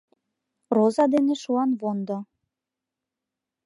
Роза дене шуанвондо